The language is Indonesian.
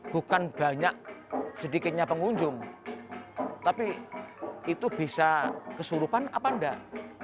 bukan banyak sedikitnya pengunjung tapi itu bisa kesurupan apa enggak